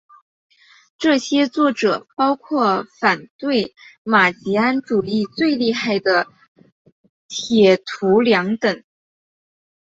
这些作者包括反对马吉安主义最厉害的铁徒良等。